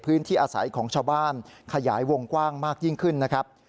ที่อาศัยของชาวบ้านขยายวงกว้างมากยิ่งขึ้นนะครับ